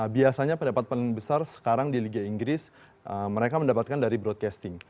biasanya pendapat paling besar sekarang di liga inggris mereka mendapatkan dari broadcasting